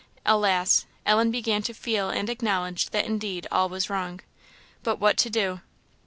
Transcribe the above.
Alas! Ellen began to feel and acknowledge that indeed all was wrong. But what to do?